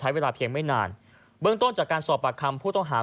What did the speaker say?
ยังไม่นานเบื้องต้นจากการสอบปลากรรมผู้ต้องหา